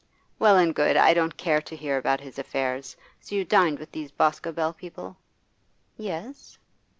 'Well and good; I don't care to hear about his affairs. So you dined with these Boscobel people?' 'Yes.